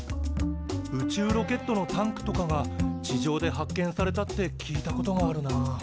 宇宙ロケットのタンクとかが地上で発見されたって聞いたことがあるな。